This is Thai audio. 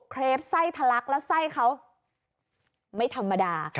เครปไส้ทะลักแล้วไส้เขาไม่ธรรมดา